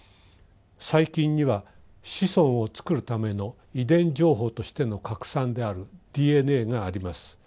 細菌には子孫をつくるための遺伝情報としての核酸であるＤＮＡがあります。